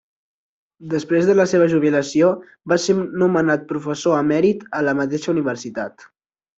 Després de la seva jubilació, va ser nomenat professor emèrit a la mateixa universitat.